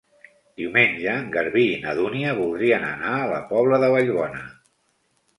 Diumenge en Garbí i na Dúnia voldrien anar a la Pobla de Vallbona.